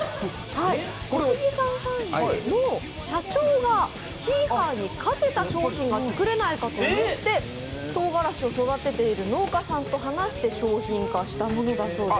小杉さんのヒーハーにかけた商品が作れないかということでとうがらしを育てている農家さんと話して商品化したものです。